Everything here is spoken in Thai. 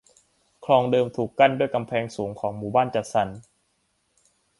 คลองเดิมถูกกั้นด้วยกำแพงสูงของหมู่บ้านจัดสรร